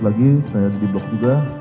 lagi saya diblok juga